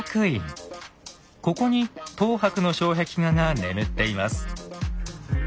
ここに等伯の障壁画が眠っています。